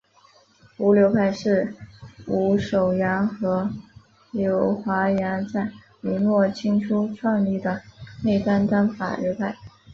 伍柳派是伍守阳和柳华阳在明末清初创立的内丹丹法流派。